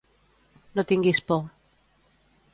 No tinguis por.